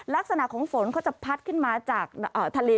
ลักษณะของฝนเขาจะพัดขึ้นมาจากทะเล